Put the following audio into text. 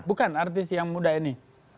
bukan artis yang muda ini